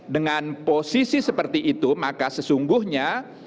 dengan posisi seperti itu maka sesungguhnya